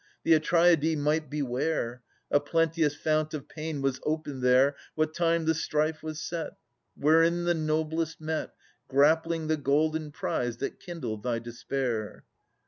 ' The Atreidae might beware!' A plenteous fount of pain was opened there, What time the strife was set. Wherein the noblest met, Grappling the golden prize that kindled thy despair!